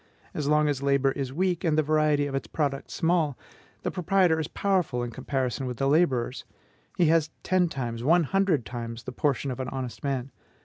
As long as labor is weak, and the variety of its products small, the proprietor is powerful in comparison with the laborers; he has ten times, one hundred times, the portion of an honest man.